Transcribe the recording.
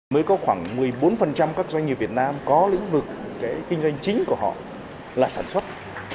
mới có khoảng một mươi bốn các doanh nghiệp việt nam có lĩnh vực kinh doanh chính của họ là sản xuất